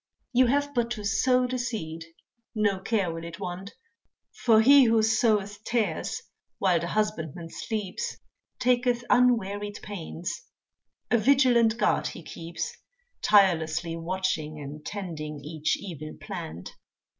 You have but to sow the seed, no care will it want, For he who soweth tares while the husbandman sleeps Taketh unwearied pains, a vigilant guard he keeps Tirelessly watching, and tending each evil plant.